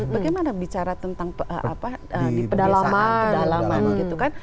bagaimana bicara tentang di pedalaman gitu kan